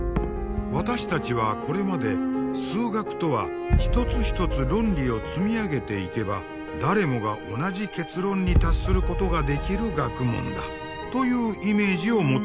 私たちはこれまで数学とは一つ一つ論理を積み上げていけば誰もが同じ結論に達することができる学問だというイメージを持ってきました。